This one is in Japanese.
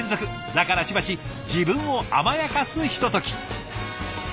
だからしばし自分を甘やかすひととき。